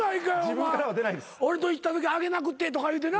俺と行ったときあげなくてとか言うてな。